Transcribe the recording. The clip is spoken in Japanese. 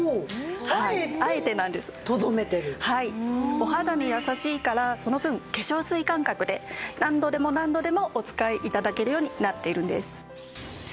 お肌にやさしいからその分化粧水感覚で何度でも何度でもお使い頂けるようになっているんです。